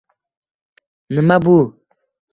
— Nima bu?